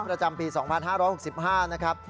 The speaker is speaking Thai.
ประจำภูมิสองพันห้าร้อยหกสิบห้านะครับ